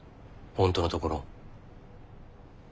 本当のところ。